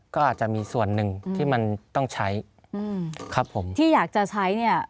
ก็อาจจะมีส่วนหนึ่งที่มันต้องใช้อืมครับผมที่อยากจะใช้เนี่ย